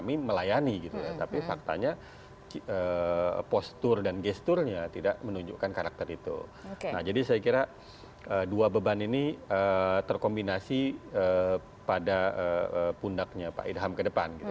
ini pak idham ke depan